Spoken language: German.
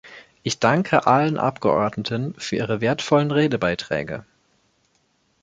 Ich danke allen Abgeordneten für ihre wertvollen Redebeiträge.